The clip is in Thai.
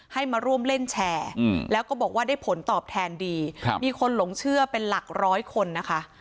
ให้มาร่วมเล่นแชร์แล้วก็บอกว่าได้ผลตอบแทนดีมีคนหลงเชื่อเป็นหลักร้อยคนนะคะ